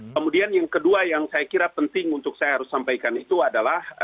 kemudian yang kedua yang saya kira penting untuk saya harus sampaikan itu adalah